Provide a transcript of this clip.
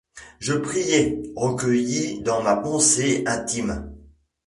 Je priais, recueilli dans ma pensée. intime.